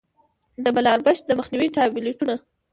د بلاربښت د مخنيوي ټابليټونه